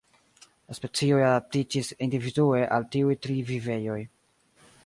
La specioj adaptiĝis individue al tiuj tri vivejoj.